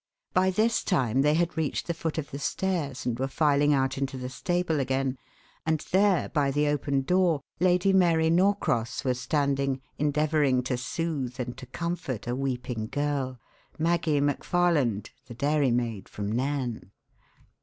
By this time they had reached the foot of the stairs and were filing out into the stable again, and there by the open door Lady Mary Norcross was standing endeavouring to soothe and to comfort a weeping girl Maggie McFarland, the dairymaid from Nairn.